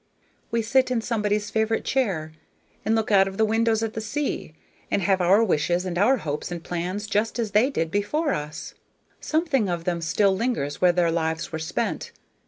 We sit in somebody's favorite chair and look out of the windows at the sea, and have our wishes and our hopes and plans just as they did before us. Something of them still lingers where their lives were spent.